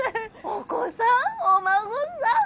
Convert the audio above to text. お子さんお孫さん